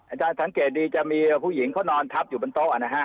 อาจารย์สังเกตดีจะมีผู้หญิงเขานอนทับอยู่บนโต๊ะนะฮะ